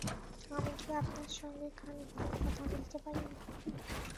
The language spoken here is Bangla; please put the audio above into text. আমি কি আপনার সঙ্গে খানিকক্ষণ কথা বলতে পারি?